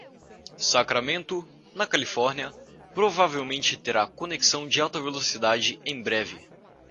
Sacramento, na Califórnia, provavelmente terá conexão de alta velocidade em breve.